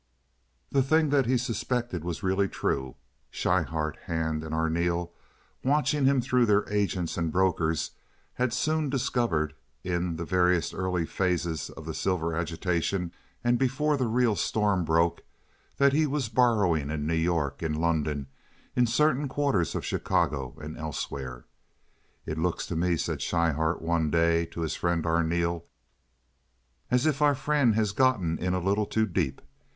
The thing that he suspected was really true. Schryhart, Hand, and Arneel, watching him through their agents and brokers, had soon discovered—in the very earliest phases of the silver agitation and before the real storm broke—that he was borrowing in New York, in London, in certain quarters of Chicago, and elsewhere. "It looks to me," said Schryhart, one day, to his friend Arneel, "as if our friend has gotten in a little too deep.